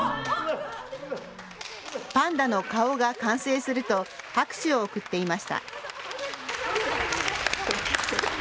パンダの顔が完成すると拍手を送っていました。